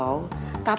bukan karena apa